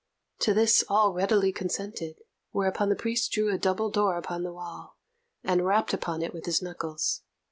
To this all readily consented; whereupon the priest drew a double door upon the wall, and rapped upon it with his knuckles.